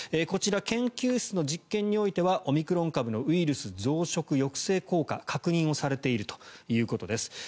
こちら研究室の実験においてはオミクロン株のウイルスの増殖抑制効果が確認をされているということです。